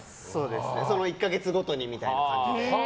１か月ごとにみたいな感じで。